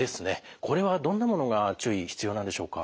これはどんなものが注意必要なんでしょうか？